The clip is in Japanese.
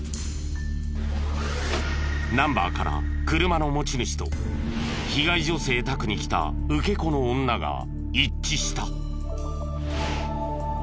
ナンバーから車の持ち主と被害女性宅に来た受け子の女が一致した。